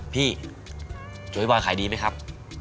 พี่โจ๊บอยขายดีไหมครับ